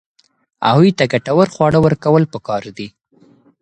هغوی ته ګټور خواړه ورکول پکار دي.